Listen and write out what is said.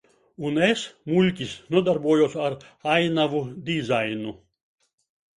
Un es, muļķis, nodarbojos ar ainavu dizainu.